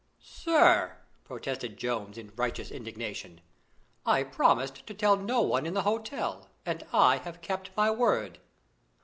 "Sir," protested Jones, in righteous indignation, "I promised to tell no one in the hotel, and I have kept my word!"